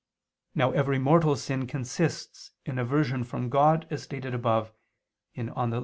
Now every mortal sin consists in aversion from God, as stated above (Gen. ad lit.